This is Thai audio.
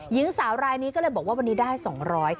หญิงสาวรายนี้ก็เลยบอกว่าวันนี้ได้๒๐๐บาท